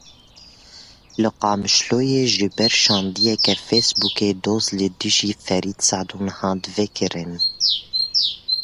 Li Qamişloyê ji ber şandiyeke Facebookê doz li dijî Ferîd Sedûn hat vekirin.